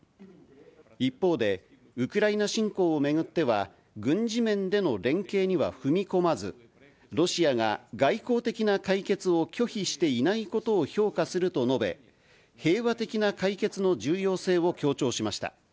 一方で、ウクライナ侵攻を巡っては、軍事面での連携には踏み込まず、ロシアが外交的な解決を拒否していないことを評価すると述べ、平和的な解決の重要性を強調しました。